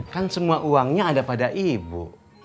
kan semua uangnya ada pada ibu